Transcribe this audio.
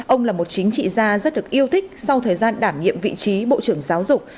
ông là một chính trị gia rất được yêu thích sau thời gian đảm nhiệm vị trí bộ trưởng giáo dục